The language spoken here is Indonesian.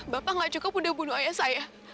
bapak gak cukup udah bunuh ayah saya